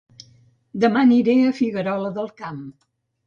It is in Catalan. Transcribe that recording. Dema aniré a Figuerola del Camp